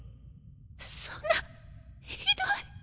そんなひどい。